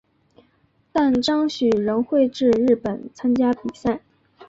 但张栩仍会至日本参加比赛。